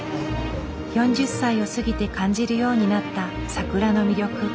４０歳を過ぎて感じるようになった桜の魅力。